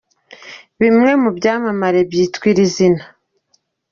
Bimwe mu byamamare byitwa iri zina.